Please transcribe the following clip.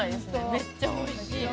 めっちゃおいしい。